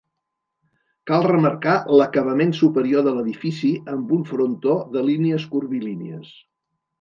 Cal remarcar l'acabament superior de l'edifici amb un frontó de línies curvilínies.